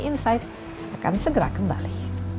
insight akan segera kembali